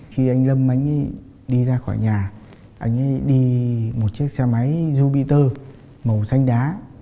khi anh lâm đi ra khỏi nhà anh ấy đi một chiếc xe máy jupiter màu xanh đá